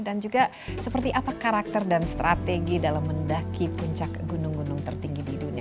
dan juga seperti apa karakter dan strategi dalam mendaki puncak gunung gunung tertinggi di dunia